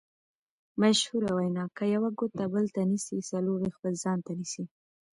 مشهوره وینا: که یوه ګوته بل ته نیسې څلور دې خپل ځان ته نیسې.